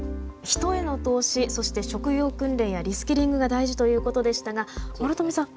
人への投資そして職業訓練やリスキリングが大事ということでしたが諸富さん